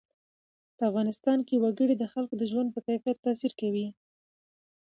په افغانستان کې وګړي د خلکو د ژوند په کیفیت تاثیر کوي.